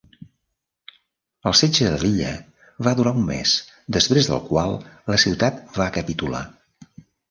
El setge de Lilla va durar un mes, després del qual la ciutat va capitular.